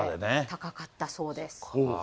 高かったそうです。